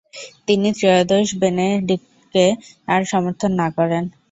তিনি ত্রয়োদশ বেনেডিক্টকে আর সমর্থন না করেন।